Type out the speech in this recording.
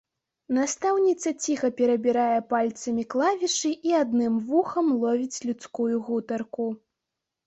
Настаўніца ціха перабірае пальцамі клавішы і адным вухам ловіць людскую гутарку.